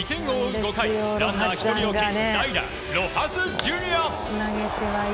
５回ランナー１人置いて代打、ロハス・ジュニア。